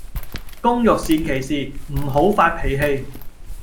工欲善其事,唔好發脾氣